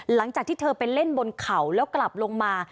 หลังจากที่เธอไปเล่นบนเขาแล้วกลับลงมา